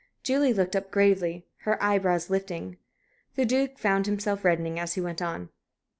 Julie looked up gravely, her eyebrows lifting. The Duke found himself reddening as he went on.